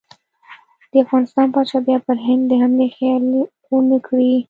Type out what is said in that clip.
د افغانستان پاچا بیا پر هند د حملې خیال ونه کړي.